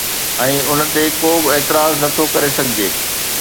۽ ان تي ڪو به اعتراض نه ٿو ڪري سگهجي